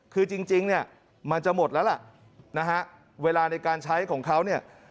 คือจริงเนี่ยมันจะหมดแล้วล่ะนะฮะเวลาในการใช้ของเขาเนี่ย